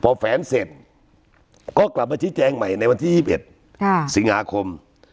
พอแฝนเสร็จก็กลับมาชี้แจงใหม่ในวันที่๒๑สิงหาคม